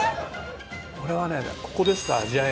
これはね。